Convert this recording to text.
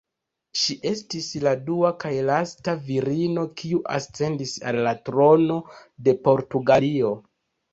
Ŝi estis la dua kaj lasta virino kiu ascendis al la trono de Portugalio.